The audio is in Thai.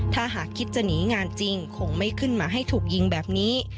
ถ้าหากคิดจะหนีงานจริงคงไม่ขึ้นมาให้ถูกยิงแบบนี้